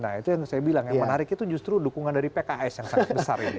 nah itu yang saya bilang yang menarik itu justru dukungan dari pks yang sangat besar ini